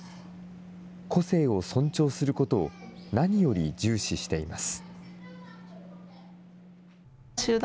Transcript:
個性を尊重することを何より重視しています。